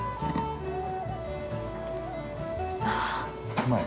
◆うまい？